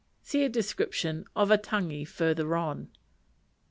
See a description of a tangi further on.